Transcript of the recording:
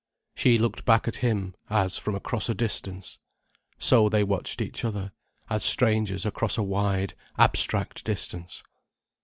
She looked back at him, as from across a distance. So they watched each other, as strangers across a wide, abstract distance.